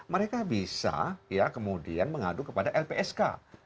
mereka bisa ya kemudian mengadu kepada lpsk